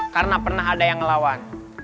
karena pernah ada yang ngelawan